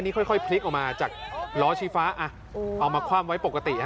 นี่ค่อยพลิกออกมาจากล้อชีฟ้าเอามาคว่ำไว้ปกติ